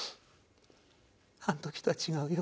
あん時とは違うよ。